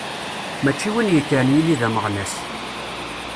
Mačči win yekkren yili d ameɣnas.